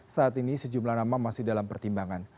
saat ini sejumlah nama masih dalam pertimbangan